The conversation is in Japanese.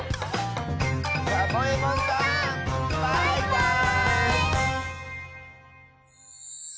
サボえもんさんバイバーイ！